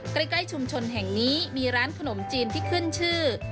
ใกล้ชุมชนแห่งนี้มีร้านขนมจีนที่ขึ้นชื่อ